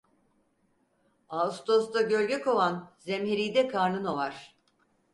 Ağustosta gölge kovan, zemheride karnın ovar.